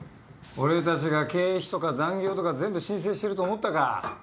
俺たちが経費とか残業とか全部申請してると思ったか？